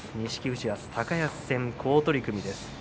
富士は高安戦、好取組です。